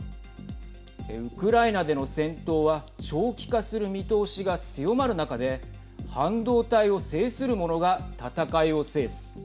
ウクライナでの戦闘は長期化する見通しが強まる中で半導体を制するものが戦いを制す。